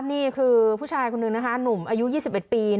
นี่คือผู้ชายคนหนึ่งนะคะหนุ่มอายุ๒๑ปี